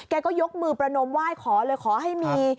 แกยก็ยกมือประนมว่ายขอเลยขอให้มี